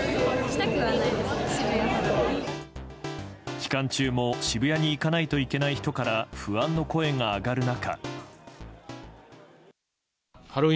期間中も渋谷に行かないといけない人から不安の声が上がる中。